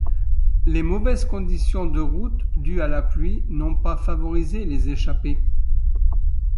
Les mauvaises conditions de route dues à la pluie n'ont pas favorisé les échappés.